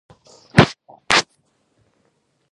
افغانستان د زردالو د ساتنې لپاره قوانین لري.